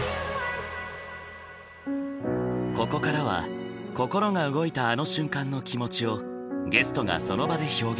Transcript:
ここからは心が動いたあの瞬間の気持ちをゲストがその場で表現。